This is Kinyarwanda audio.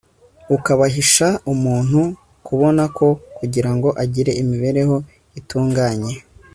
ukabashisha umuntu kubona ko kugira ngo agire imibereho itunganye